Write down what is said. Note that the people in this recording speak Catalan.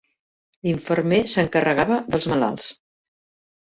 L'infermer s'encarregava dels malalts.